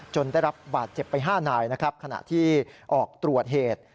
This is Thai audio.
จนได้รับบาดเจ็บไป๕นายขณะที่ออกตรวจเหตุ